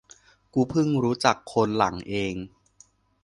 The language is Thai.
กูเพิ่งรู้จักคนหลังเอง